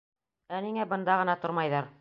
— Ә ниңә бында ғына тормайҙар?